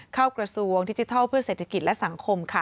กระทรวงดิจิทัลเพื่อเศรษฐกิจและสังคมค่ะ